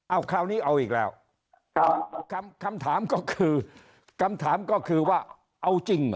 เอาคราวนี้เอาอีกแล้วคำถามก็คือคำถามก็คือว่าเอาจริงเหรอ